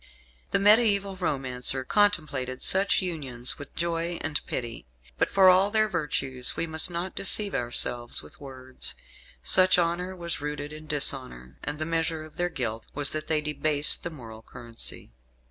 The mediaeval romancer contemplated such unions with joy and pity; but for all their virtues we must not deceive ourselves with words. Such honour was rooted in dishonour, and the measure of their guilt was that they debased the moral currency.